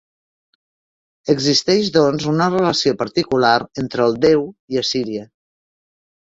Existeix doncs una relació particular entre el déu i Assíria.